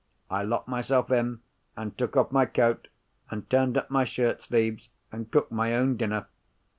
I locked myself in, and took off my coat, and turned up my shirt sleeves, and cooked my own dinner.